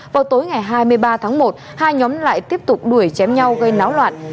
vào tối ngày hai mươi ba tháng một hai nhóm lại tiếp tục đuổi chém nhau gây náo loạn